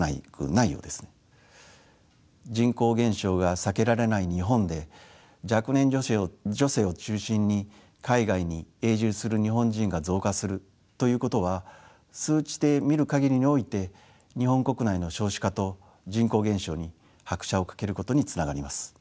人口減少が避けられない日本で若年女性を中心に海外に永住する日本人が増加するということは数値で見る限りにおいて日本国内の少子化と人口減少に拍車をかけることにつながります。